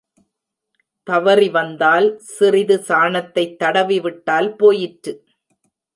தவறி வந்தால் சிறிது சாணத்தைத் தடவிவிட்டால் போயிற்று.